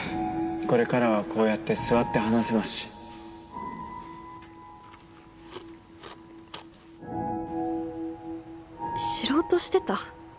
これからはこうやって座って話せます知ろうとしてた？